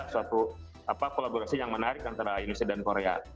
suatu kolaborasi yang menarik antara indonesia dan korea